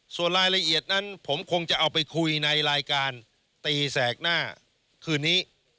ส่วนรายละเอียดนั้นผมคงจะเอาไปคุยในรายการตีแสกหน้าคืนนี้